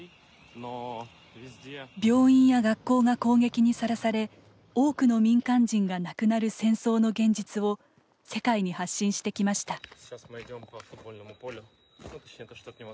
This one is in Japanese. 病院や学校が攻撃にさらされ多くの民間人が亡くなる戦争の現実を世界に発信してきました。